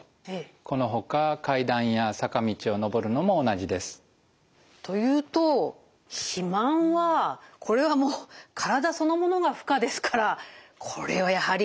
このほか階段や坂道を上るのも同じです。というと肥満はこれはもう体そのものが負荷ですからこれはやはり駄目でしょう。